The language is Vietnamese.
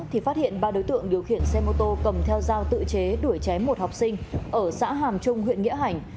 thì phát hiện ba đối tượng điều khiển xe mô tô cầm theo dao tự chế đuổi chém một học sinh ở xã hàm trung huyện nghĩa hành